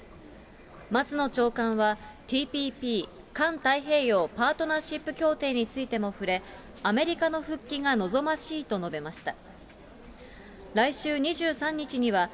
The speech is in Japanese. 松野長官は、ＴＰＰ・環太平洋経済協力協定についても触れ、触れ、アメリカの復帰が望ましいと述べました。